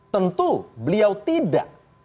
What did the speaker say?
tentu beliau tidak